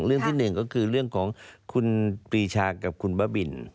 ที่หนึ่งก็คือเรื่องของคุณปีชากับคุณบ้าบิน